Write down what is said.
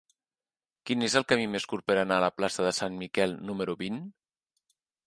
Quin és el camí més curt per anar a la plaça de Sant Miquel número vint?